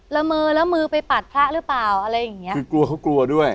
ละเมอแล้วมือไปปัดพระหรือเปล่าอะไรอย่างเงี้ยคือกลัวเขากลัวด้วย